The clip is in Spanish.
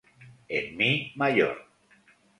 En "mi" mayor.